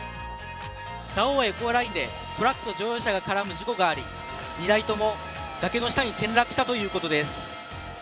蔵王エコーラインでトラックと乗用車が絡む事故があり２台とも崖の下に転落したということです。